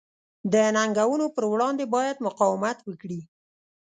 د ننګونو پر وړاندې باید مقاومت وکړي.